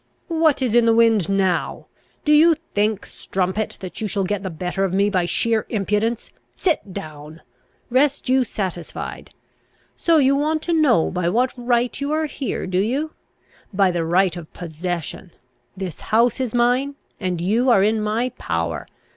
"What is in the wind now? Do you think, strumpet; that you shall get the better of me by sheer impudence? Sit down! rest you satisfied! So you want to know by what right you are here, do you? By the right of possession. This house is mine, and you are in my power.